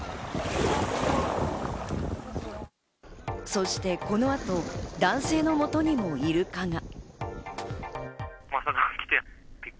そしてこの後、男性の元にもイルカが。